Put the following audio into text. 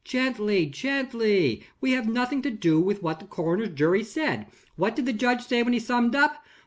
"Gently! gently! we have nothing to do with what the coroner's jury said. What did the judge say when he summed up?"